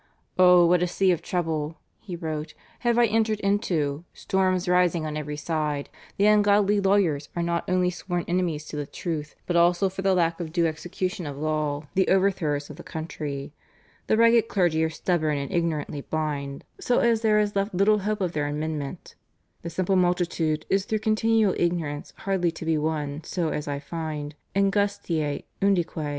"Oh what a sea of trouble," he wrote, "have I entered into, storms rising on every side; the ungodly lawyers are not only sworn enemies to the truth, but also for the lack of due execution of law, the overthrowers of the country; the ragged clergy are stubborn and ignorantly blind, so as there is left little hope of their amendment; the simple multitude is through continual ignorance hardly to be won so as I find /angustiae undique